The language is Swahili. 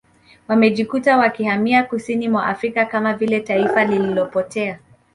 Wamejikuta wakihamia kusini mwa Afrika Kama vile taifa lililopotea